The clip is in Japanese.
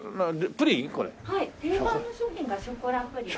はい定番の商品がショコラプリンで。